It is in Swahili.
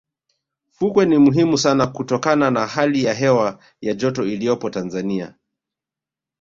fukwe ni muhimu sana kutokana na hali ya hewa ya joto iliyopo tanzania